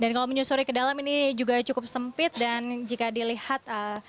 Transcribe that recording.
dan kalau menyusuri ke dalam ini juga cukup sempit dan jika dilihat